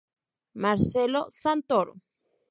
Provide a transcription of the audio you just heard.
Marcelo Santoro?...